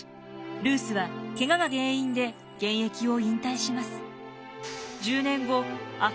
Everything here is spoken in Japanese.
ルースはケガが原因で現役を引退します。